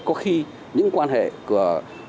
có khi những quan hệ của